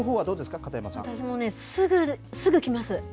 私もすぐきます。